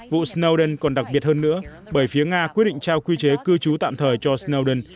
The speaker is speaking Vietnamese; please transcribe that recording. vụ snowden còn đặc biệt hơn nữa bởi phía nga quyết định trao quy chế cư trú tạm thời cho snowden